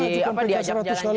di ajak jalan jalan dikasih ongkos